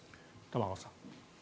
玉川さん。